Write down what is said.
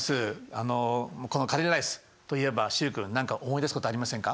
あのこのカレーライスといえば習君何か思い出すことありませんか？